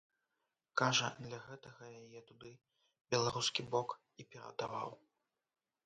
Кажа, для гэтага яе туды беларускі бок і перадаваў.